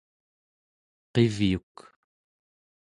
qivyuq